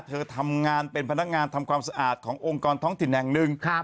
เธอทำงานเป็นพนักงานทำความสะอาดขององค์กรท้องถิ่นแห่งหนึ่ง